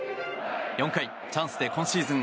４回、チャンスで今シーズン